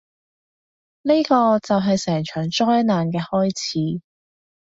呢個就係成場災難嘅開始